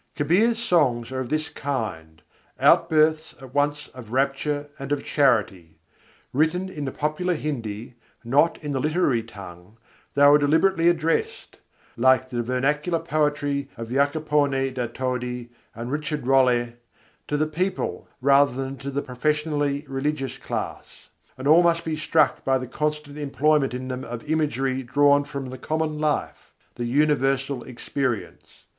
Kabîr's songs are of this kind: out births at once of rapture and of charity. Written in the popular Hindi, not in the literary tongue, they were deliberately addressed like the vernacular poetry of Jacopone da Todì and Richard Rolle to the people rather than to the professionally religious class; and all must be struck by the constant employment in them of imagery drawn from the common life, the universal experience.